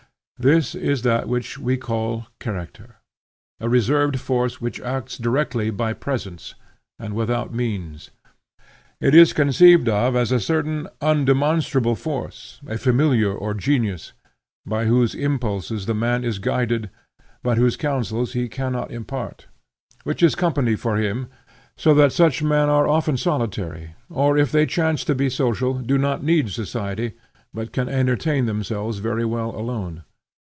This is that which we call Character, a reserved force which acts directly by presence, and without means. It is conceived of as a certain undemonstrable force, a Familiar or Genius, by whose impulses the man is guided but whose counsels he cannot impart; which is company for him, so that such men are often solitary, or if they chance to be social, do not need society but can entertain themselves very well alone.